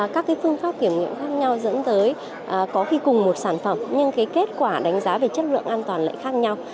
các phương pháp kiểm nghiệm khác nhau dẫn tới có khi cùng một sản phẩm nhưng kết quả đánh giá về chất lượng an toàn lại khác nhau